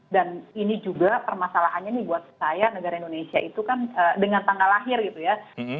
dan ini juga permasalahannya nih buat saya negara indonesia itu kan dengan tanggal lahir gitu ya